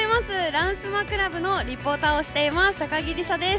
「ランスマ倶楽部」のリポーターをしています高樹リサです。